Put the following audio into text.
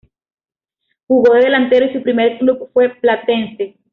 Jugó de delantero y su primer club fue Platense.